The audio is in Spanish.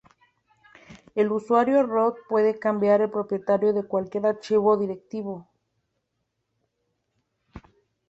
El usuario root puede cambiar el propietario de cualquier archivo o directorio.